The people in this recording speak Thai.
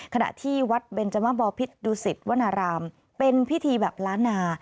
ขณะที่วัดเบนจมบอพิษดุสิตวนารามเป็นพิธีแบบล้านนา